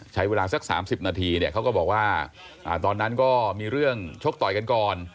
ใช้เวลาสัก๓๐นาทีเนี่ยเขาก็บอกว่าตอนนั้นก็มีเรื่องชกต่อยกันก่อน